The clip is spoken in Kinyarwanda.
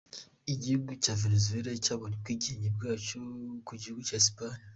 Igihugu cya Venezuela cyabonye ubwigenge bwacyo ku gihugu cya Espagne.